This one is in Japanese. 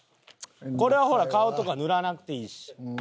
これはほら顔とか塗らなくていいし。